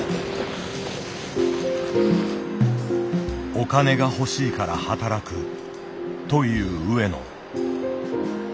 お金が欲しいから働くという上野。